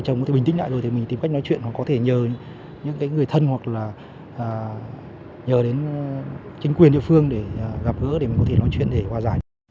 chồng có thể bình tĩnh lại rồi thì mình tìm cách nói chuyện hoặc có thể nhờ những người thân hoặc là nhờ đến chính quyền địa phương để gặp gỡ để mình có thể nói chuyện để hòa giải